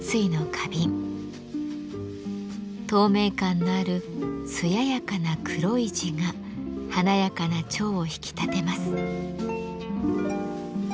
透明感のある艶やかな黒い地が華やかな蝶を引き立てます。